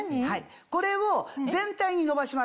これを全体にのばします。